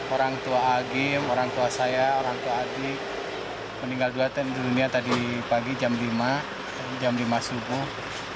orang tua aagim orang tua saya orang tua adik meninggal dunia tadi pagi jam lima jam lima subuh